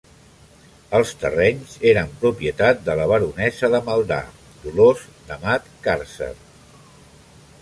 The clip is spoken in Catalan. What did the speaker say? Els terrenys eren propietat de la baronessa de Maldà, Dolors d'Amat Càrcer.